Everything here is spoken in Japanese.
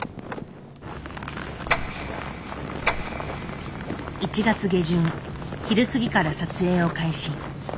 １月下旬昼過ぎから撮影を開始。